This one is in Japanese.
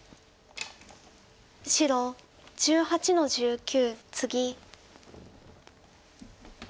白１８の十九ツギ。